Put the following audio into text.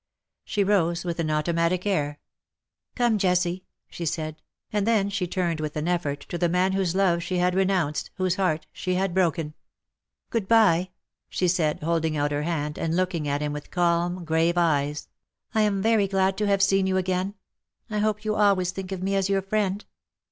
She rose with an automatic air. " Come, Jessie,^^ she said : and then she turned with an effort to the man whose love she had renounced, whose heart she had broken. " Good by V' she said, holding out her hand, and looking at him with calm, grave eyes. " I am 200 very glad to have seen you again. I hope you always think of me as your friend